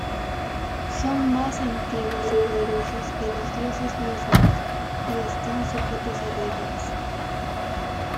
Son más antiguos y poderosos que los dioses mismos, y están sujetos a reglas.